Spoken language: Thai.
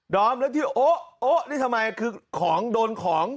อมแล้วที่โอ๊ะโอ๊ะนี่ทำไมคือของโดนของ